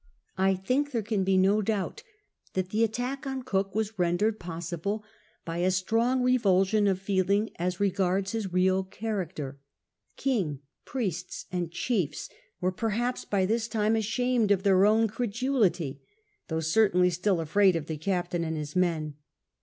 1 think there can be no XI EXPLANATIONS OF THE DEED 171 doubt that the attack on Cook was rendered possible by a strong revulsion of feeling as regards his real r^haracter : king, priests, and chiefs were perhaps by this time ashamed of their own credulity, though certainly still . afraid of the captain and his men.